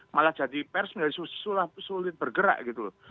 malah jadi pers menjadi sulit bergerak gitu loh